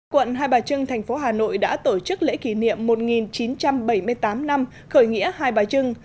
quận hai bà trưng thành phố hà nội đã tổ chức lễ kỷ niệm một chín trăm bảy mươi tám năm khởi nghĩa hai bà trưng